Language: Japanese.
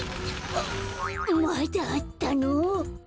まだあったの？